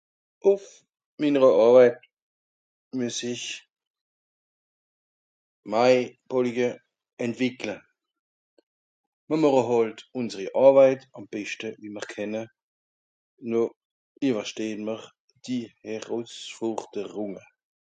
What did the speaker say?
ùff minnere Àrweit muess ich mei (Polge?) entwìckle. Mr màche hàlt ùnseri Àrweit àm beschte, wie mr kenne, no iwwerstehn mr die Herusforderùnge